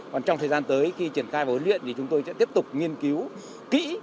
còn trong thời gian tới khi triển khai và huấn luyện thì chúng tôi sẽ tiếp tục nghiên cứu kỹ